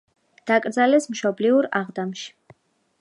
დაკრძალეს მშობლიურ აღდამში.